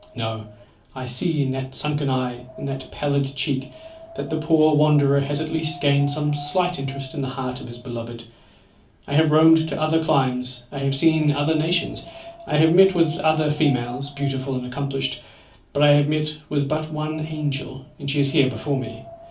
No! I see in that sunken eye, in that pallid cheek, that the poor wanderer has at least gained some slight interest in the heart of his beloved. I have roamed to other climes, I have seen other nations; I have met with other females, beautiful and accomplished, but I have met with but one angel, and she is here before me.